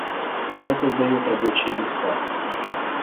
Оно создает рабочие места.